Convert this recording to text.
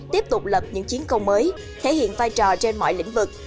tiếp tục lập những chiến công mới thể hiện vai trò trên mọi lĩnh vực